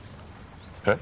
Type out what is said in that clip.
えっ？